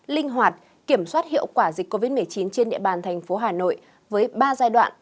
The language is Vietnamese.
linh hoạt kiểm soát hiệu quả dịch covid một mươi chín trên địa bàn thành phố hà nội với ba giai đoạn